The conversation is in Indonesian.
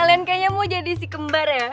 kalian kayaknya mau jadi si kembar ya